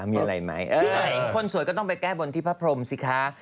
มีอะไรไหมคนสวยก็ต้องไปแก้บนที่พระพรมสิคะ